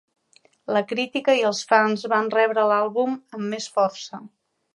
La crítica i els fans van rebre l'àlbum amb més força.